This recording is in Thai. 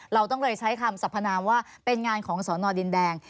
เราต้องเลยใช้คำสัพพนามว่าเป็นงานของสอนอดินแดง